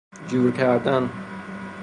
جور کردن